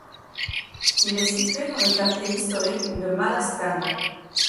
Il est situé dans le quartier historique de Malá Strana.